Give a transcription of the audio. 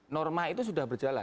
norma itu sudah berubah